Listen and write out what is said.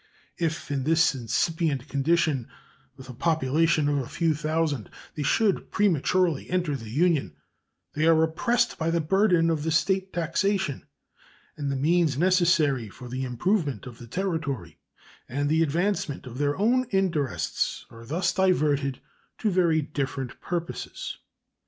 If in this incipient condition, with a population of a few thousand, they should prematurely enter the Union, they are oppressed by the burden of State taxation, and the means necessary for the improvement of the Territory and the advancement of their own interests are thus diverted to very different purposes.